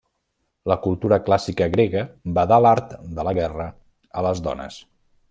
La cultura clàssica grega vedà l'art de la guerra a les dones.